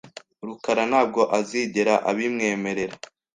rukara ntabwo azigera abimwemerera .